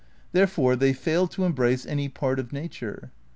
Therefore they fail to embrace any part of nature.